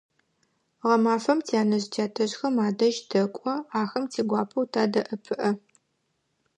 Гъэмэфэм тянэжъ-тятэжъхэм адэжь тэкӀо, ахэм тигуапэу тадэӀэпыӀэ.